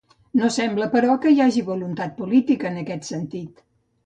No sembla, però, que hi hagi voluntat política en aquest sentit.